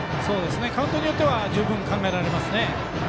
カウントによっては十分考えられますね。